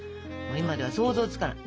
今では想像つかない。